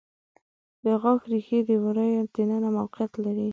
د غاښ ریښې د وریو د ننه موقعیت لري.